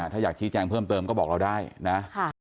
ถ้าอยากชี้แจงเพิ่มเติมก็บอกเราได้นะ